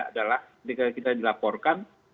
adalah ketika kita dilaporkan